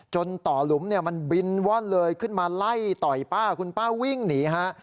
ต่อหลุมเนี่ยมันบินว่อนเลยขึ้นมาไล่ต่อยป้าคุณป้าวิ่งหนีฮะ